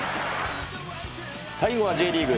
最後はＪリーグ。